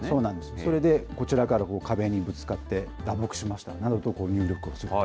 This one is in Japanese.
それでこちらから、壁にぶつかって、打撲しましたなどと入力をすると。